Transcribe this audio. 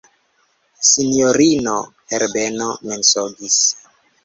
Sinjorino Herbeno mensogis.